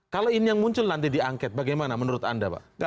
kalau ini yang muncul nanti diangket bagaimana menurut anda pak